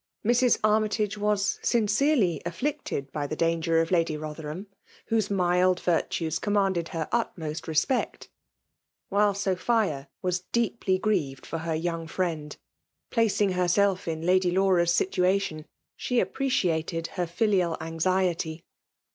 Mrs. Army tage was sincerely afflicted by the danger of Xady Botherhamj whose mild virtues commanded her utmost respect^ while Sophia was deeply grieved for her young firiend : placing herself in luady Laura's situation, she appreciated her filial anxiety.